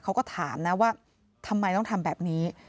เขาก็ถามนะว่าทำไมต้องทำแบบนี้